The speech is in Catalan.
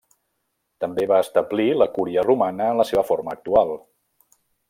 També va establir la Cúria Romana en la seva forma actual.